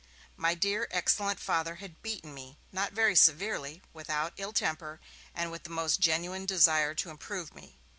My dear, excellent Father had beaten me, not very severely, without ill temper, and with the most genuine desire to improve me.